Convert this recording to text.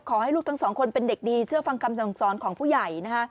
ขอให้ลูกทั้ง๒คนเป็นเด็กดีเชื่อฟังกรรมส่องของผู้ใหญ่